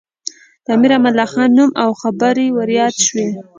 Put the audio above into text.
د امیر امان الله خان نوم او خبرې ور یادې شوې.